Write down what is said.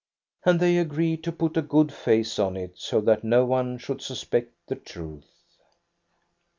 And they agreed to put a good face on it, so that no one should suspect the truth.